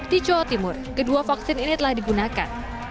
di jawa timur kedua vaksin ini telah digunakan